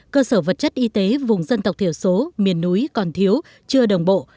cơ sở vật chất y tế vùng dân tộc thiểu số miền núi còn thiếu chưa đồng bộ